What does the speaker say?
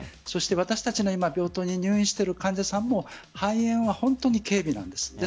そして私たちの病棟に入院している患者さんも肺炎は本当に軽微なんです。